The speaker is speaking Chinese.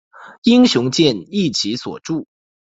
英雄剑亦由其所铸。